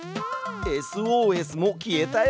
ＳＯＳも消えたよ。